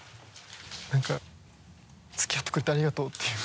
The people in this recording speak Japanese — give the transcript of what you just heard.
何か付き合ってくれてありがとうっていう。